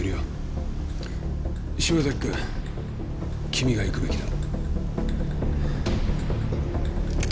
島崎くん君が行くべきだ。